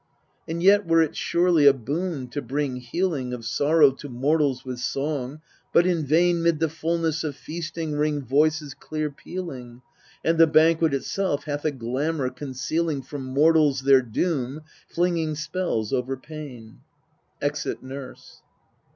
And yet were it surely a boon to bring healing Of sorrow to mortals with song : but in vain Mid the fulness of feasting ring voices clear pealing, And the banquet itself hath a glamour, concealing From mortals their doom, flinging spells over pain. [Exit NURSE.